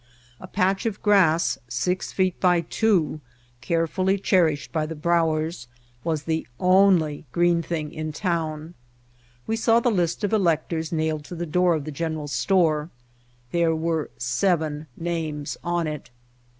A patch of grass si:^ feet by two, carefully cherished by the Brauers, was the only green thing in town. We saw the list of electors nailed to the door of the general store. There were seven names on it.